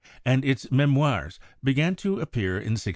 and its 'Memoires' began to appear in 1699.